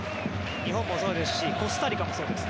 日本もそうですしコスタリカもそうです。